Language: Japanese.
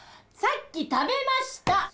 さっき食べました！